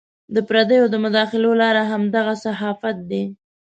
د پردیو د مداخلو لار همدغه صحافت دی.